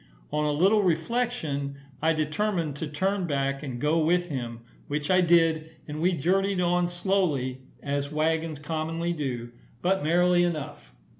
On a little reflection, I determined to turn back and go with him, which I did; and we journeyed on slowly as waggons commonly do, but merrily enough.